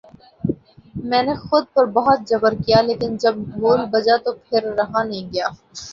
میں نے خود پر بہت جبر کیا لیکن جب ڈھول بجا تو پھر رہا نہیں گیا